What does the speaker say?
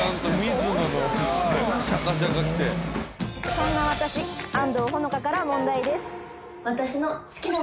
「そんな私安藤帆花から問題です」